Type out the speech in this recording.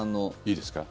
いいですか？